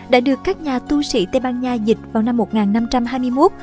đã được các nhà tu sĩ tây ban nha dịch vào năm một nghìn năm trăm hai mươi một